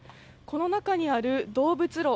この中にある動物炉。